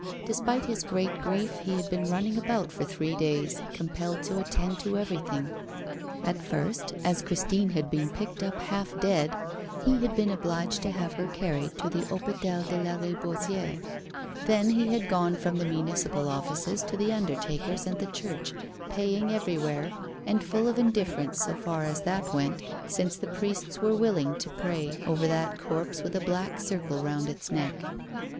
Despite his great grief, he had been running about for three days, compelled to attend to everything. At first, as Christine had been picked up half dead, he had been obliged to have her carried to the Hôpital de Lariboisière; then he had gone from the municipal offices, to the undertaker's and the church, paying everywhere, and full of indifference so far as that went, since the priests were willing to pray over that corpse with a black circle round its neck.